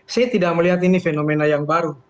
saya tidak melihat ini fenomena yang baru